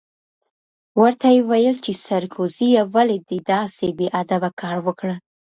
ورته ویې ویل چې سرکوزیه ولې دې داسې بې ادبه کار وکړ؟